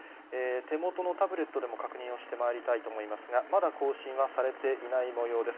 手元のタブレットでも確認をしてまいりたいと思いますが、まだ更新はされていないもようです。